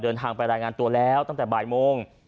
เดินทางไปรายงานตัวแล้วตั้งแต่บ่ายโมง